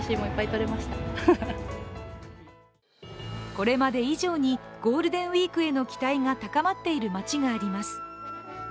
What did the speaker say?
これまで以上にゴールデンウイークへの期待が高まっている街があります。